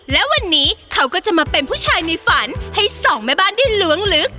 และวันนี้เขาก็จะมาเป็นผู้ชายในฝันให้สองแม่บ้านได้ล้วงลึก